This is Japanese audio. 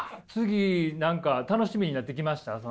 次何か楽しみになってきました？